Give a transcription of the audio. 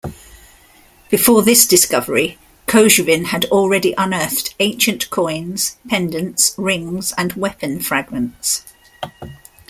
Before this discovery, Kozhevin had already unearthed ancient coins, pendants, rings and weapon fragments.